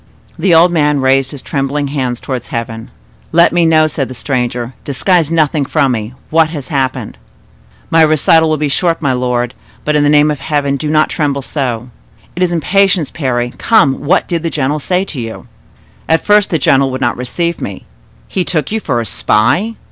The old man raised his trembling hands towards heaven. "Let me know," said the stranger,—"disguise nothing from me—what has happened?" "My recital will be short, my lord; but in the name of Heaven do not tremble so." "It is impatience, Parry. Come, what did the general say to you?" "At first the general would not receive me." "He took you for a spy?"